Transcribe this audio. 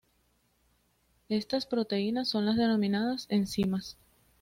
Estas proteínas son las denominadas enzimas.